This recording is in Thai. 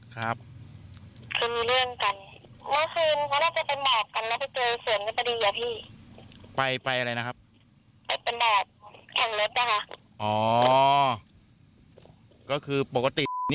ค่ะแล้วเจอกันใช่ไหมใช่ค่ะก็แค่จะจำหน้าได้มั้ง